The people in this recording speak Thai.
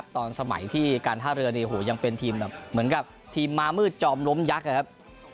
ตอนสมัยที่การท่าเรือเป็นถีมเหมือนกับทีมมามือจอมล้มยักษ์